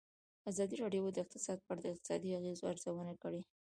ازادي راډیو د اقتصاد په اړه د اقتصادي اغېزو ارزونه کړې.